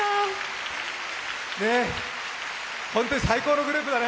本当に最高のグループだね！